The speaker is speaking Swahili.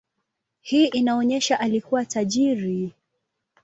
Hii inaonyesha alikuwa tajiri.